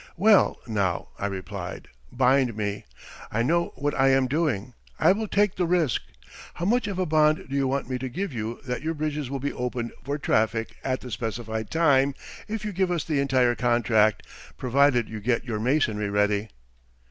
"Well, now," I replied, "bind me! I know what I am doing. I will take the risk. How much of a bond do you want me to give you that your bridges will be opened for traffic at the specified time if you give us the entire contract, provided you get your masonry ready?"